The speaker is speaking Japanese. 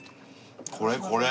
これこれ。